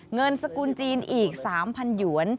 เงินสกุลจีนอีก๓๐๐หยวน